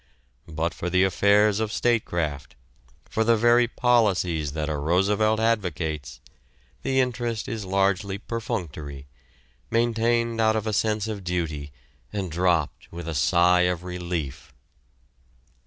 But for the affairs of statecraft, for the very policies that a Roosevelt advocates, the interest is largely perfunctory, maintained out of a sense of duty and dropped with a sigh of relief.